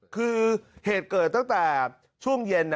คือเหตุเกิดตั้งแต่ช่วงเย็น